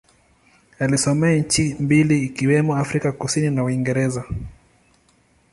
Alisomea nchi mbili ikiwemo Afrika Kusini na Uingereza.